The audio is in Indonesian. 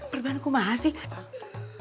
perban ku mah asik